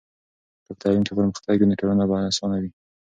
که په تعلیم کې پرمختګ وي، نو ټولنه به اسانه وي.